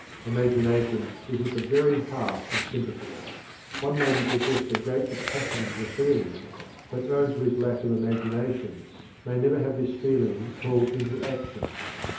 Imagination is at the very heart of sympathy. One may be possessed of great capacity for feeling, but owing to his lack of imagination may never have this feeling called into action.